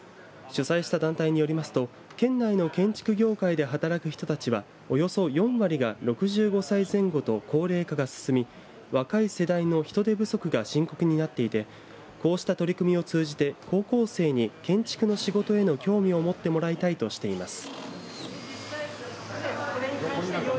主催した団体によりますと県内の建築業界で働く人たちはおよそ４割が６５歳前後と高齢化が進み若い世代の人手不足が深刻になっていてこうした取り組みを通じて高校生に建築の仕事への興味を持ってもらいたいとしています。